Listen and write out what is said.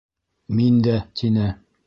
— Мин дә, — тине.